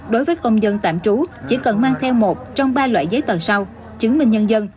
đối với công dân tạm trú chỉ cần mang theo một trong ba loại giấy tờ sau chứng minh nhân dân